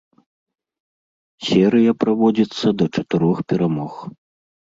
Серыя праводзіцца да чатырох перамог.